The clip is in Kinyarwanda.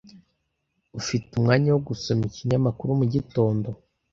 Ufite umwanya wo gusoma ikinyamakuru mugitondo?